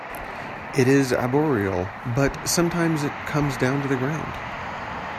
It is arboreal, but sometimes it comes down to the ground.